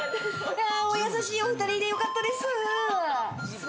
お優しいお２人でよかったです。